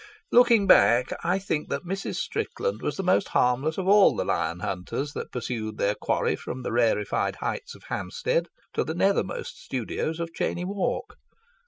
Looking back, I think that Mrs. Strickland was the most harmless of all the lion hunters that pursue their quarry from the rarefied heights of Hampstead to the nethermost studios of Cheyne Walk.